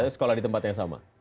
sekolah di tempat yang sama